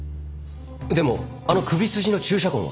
でもあの首筋の注射痕は？